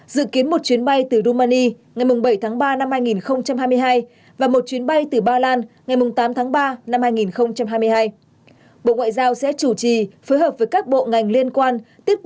xin chào và hẹn gặp lại